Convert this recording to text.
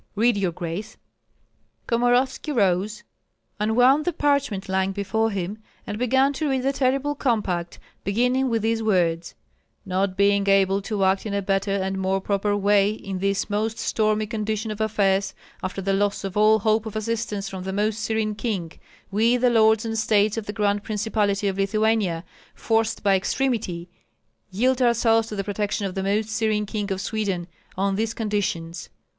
Read, your grace!" Komorovski rose, unwound the parchment lying before him, and began to read the terrible compact, beginning with these words: "Not being able to act in a better and more proper way in this most stormy condition of affairs, after the loss of all hope of assistance from the Most Serene King, we the lords and estates of the Grand Principality of Lithuania, forced by extremity, yield ourselves to the protection of the Most Serene King of Sweden on these conditions: "1.